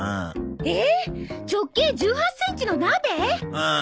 ああ。